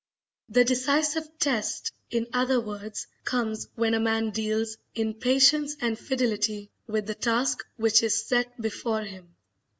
The decisive test, in other words, comes when a man deals, in patience and fidelity, with the task which is set before him.